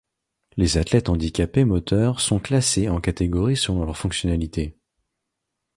Les athlètes handicapés moteurs sont classés en catégories selon leurs fonctionnalités.